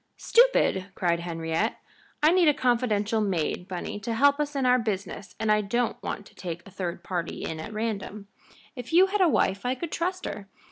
"Stupid!" cried Henriette. "I need a confidential maid, Bunny, to help us in our business, and I don't want to take a third party in at random. If you had a wife I could trust her.